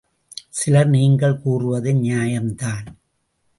சிலர் நீங்கள் கூறுவது நியாயம்தான்.